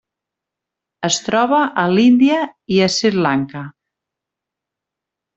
Es troba a l'Índia i a Sri Lanka.